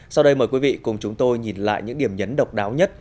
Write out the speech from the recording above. sau đây mời quý vị cùng chúng tôi nhìn lại những điểm nhấn độc đáo nhất